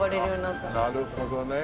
なるほどね。